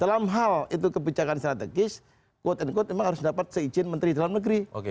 dalam hal itu kebijakan strategis quote unquote memang harus dapat seizin menteri dalam negeri